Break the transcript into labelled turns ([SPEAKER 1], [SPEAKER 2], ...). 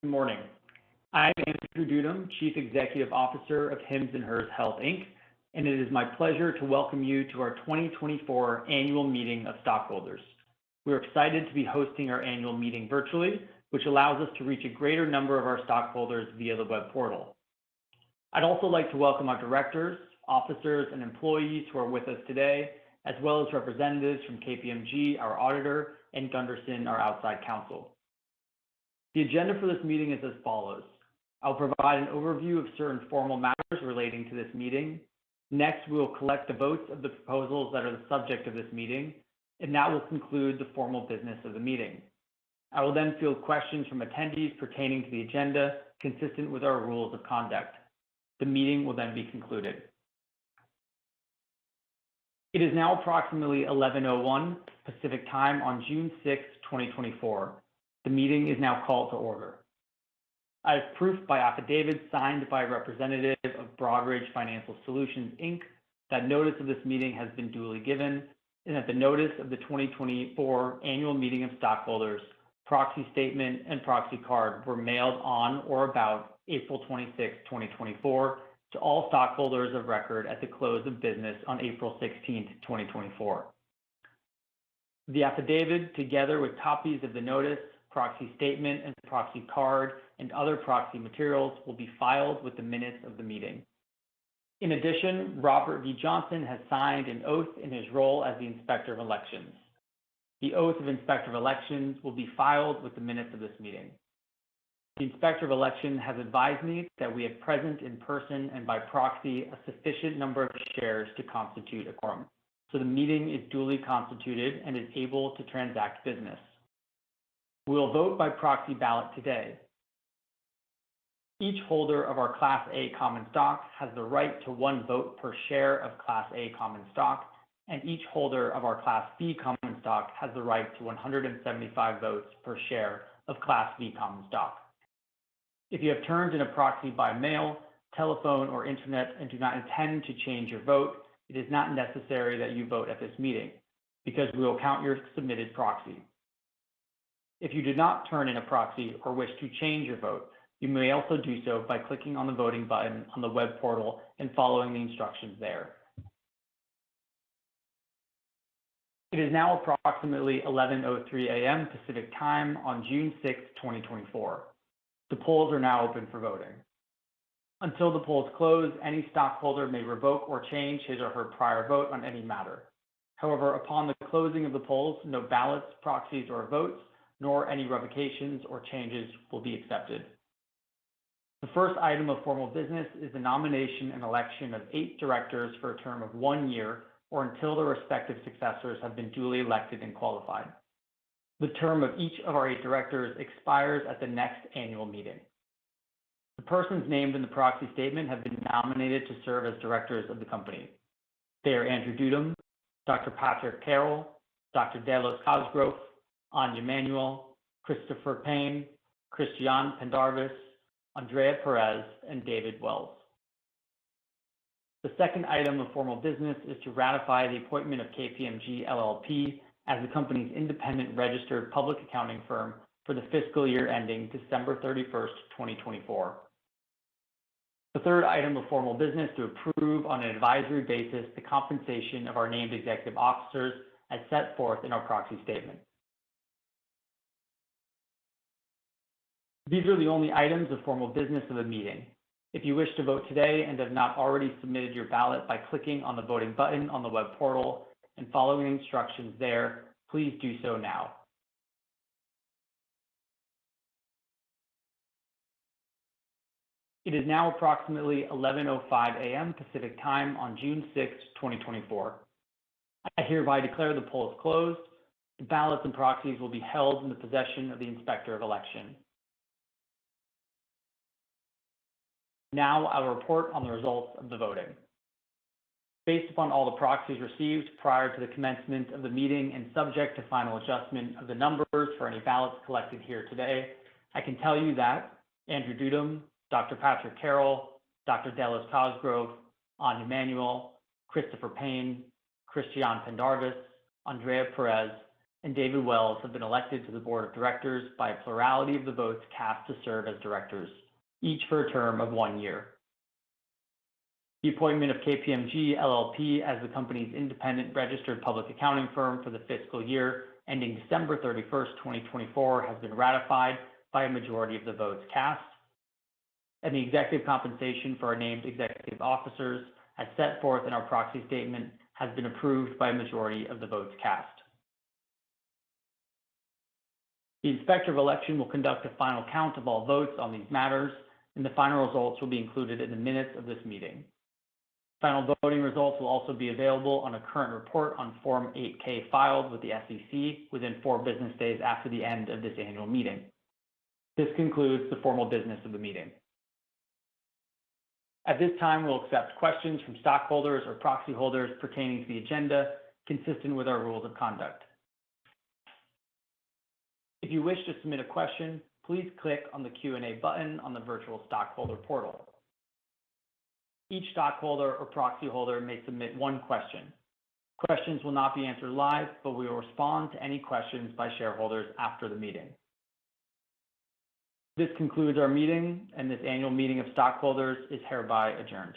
[SPEAKER 1] Good morning. I'm Andrew Dudum, Chief Executive Officer of Hims & Hers Health Inc, and it is my pleasure to welcome you to our 2024 Annual Meeting of Stockholders. We're excited to be hosting our annual meeting virtually, which allows us to reach a greater number of our stockholders via the web portal. I'd also like to welcome our directors, officers, and employees who are with us today, as well as representatives from KPMG, our auditor, and Gunderson, our outside counsel. The agenda for this meeting is as follows: I'll provide an overview of certain formal matters relating to this meeting. Next, we will collect the votes of the proposals that are the subject of this meeting, and that will conclude the formal business of the meeting. I will then field questions from attendees pertaining to the agenda, consistent with our rules of conduct. The meeting will then be concluded. It is now approximately 11:01 Pacific Time on June 6th, 2024. The meeting is now called to order. I have proof by affidavit, signed by a representative of Broadridge Financial Solutions, Inc, that notice of this meeting has been duly given, and that the notice of the 2024 Annual Meeting of Stockholders, proxy statement, and proxy card were mailed on or about April 26th, 2024, to all stockholders of record at the close of business on April 16th, 2024. The affidavit, together with copies of the notice, proxy statement, and proxy card, and other proxy materials, will be filed with the minutes of the meeting. In addition, Robert V. Johnson has signed an oath in his role as the Inspector of Elections. The Oath of Inspector of Elections will be filed with the minutes of this meeting. The Inspector of Election has advised me that we have present in person and by proxy, a sufficient number of shares to constitute a quorum, so the meeting is duly constituted and is able to transact business. We will vote by proxy ballot today. Each holder of our Class A common stock has the right to 1 vote per share of Class A common stock, and each holder of our Class V common stock has the right to 175 votes per share of Class V common stock. If you have turned in a proxy by mail, telephone, or internet and do not intend to change your vote, it is not necessary that you vote at this meeting because we will count your submitted proxy. If you did not turn in a proxy or wish to change your vote, you may also do so by clicking on the voting button on the web portal and following the instructions there. It is now approximately 11:03 A.M. Pacific Time on June 6th, 2024. The polls are now open for voting. Until the polls close, any stockholder may revoke or change his or her prior vote on any matter. However, upon the closing of the polls, no ballots, proxies, or votes, nor any revocations or changes will be accepted. The first item of formal business is the nomination and election of eight directors for a term of one year or until their respective successors have been duly elected and qualified. The term of each of our eight directors expires at the next annual meeting. The persons named in the proxy statement have been nominated to serve as directors of the company. They are Andrew Dudum, Dr. Patrick Carroll, Dr. Delos Cosgrove, Anja Manuel, Christopher Payne, Christiane Pendarvis, Andrea Perez, and David Wells. The second item of formal business is to ratify the appointment of KPMG LLP as the company's independent registered public accounting firm for the fiscal year ending December 31st, 2024. The third item of formal business to approve on an advisory basis, the compensation of our named executive officers as set forth in our proxy statement. These are the only items of formal business of the meeting. If you wish to vote today and have not already submitted your ballot by clicking on the voting button on the web portal and following the instructions there, please do so now. It is now approximately 11:05 A.M. Pacific Time on June 6th, 2024. I hereby declare the polls closed. The ballots and proxies will be held in the possession of the Inspector of Election. Now, I will report on the results of the voting. Based upon all the proxies received prior to the commencement of the meeting, and subject to final adjustment of the numbers for any ballots collected here today, I can tell you that Andrew Dudum, Dr. Patrick Carroll, Dr. Delos Cosgrove, Anja Manuel, Christopher Payne, Christiane Pendarvis, Andrea Perez, and David Wells have been elected to the board of directors by a plurality of the votes cast to serve as directors, each for a term of one year. The appointment of KPMG LLP as the company's independent registered public accounting firm for the fiscal year ending December 31st, 2024, has been ratified by a majority of the votes cast, and the executive compensation for our named executive officers, as set forth in our proxy statement, has been approved by a majority of the votes cast. The Inspector of Elections will conduct a final count of all votes on these matters, and the final results will be included in the minutes of this meeting. Final voting results will also be available on a current report on Form 8-K, filed with the SEC within 4 business days after the end of this annual meeting. This concludes the formal business of the meeting. At this time, we'll accept questions from stockholders or proxy holders pertaining to the agenda, consistent with our rules of conduct. If you wish to submit a question, please click on the Q&A button on the virtual stockholder portal. Each stockholder or proxy holder may submit one question. Questions will not be answered live, but we will respond to any questions by shareholders after the meeting. This concludes our meeting, and this Annual Meeting of Stockholders is hereby adjourned.